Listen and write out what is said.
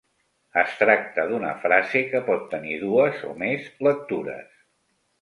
Es tracta d'una frase que pot tenir dues, o més, lectures.